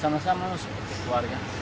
sama sama harus keluarga